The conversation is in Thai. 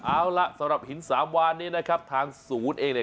เอาล่ะสำหรับหินสามวานนี้นะครับทางศูนย์เองเนี่ย